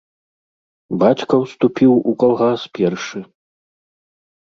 Бацька ўступіў у калгас першы.